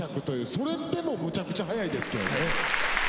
それでもむちゃくちゃ速いですけどね。